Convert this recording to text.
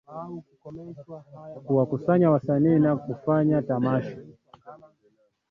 kuwakusanya wasanii na kufanya tamasha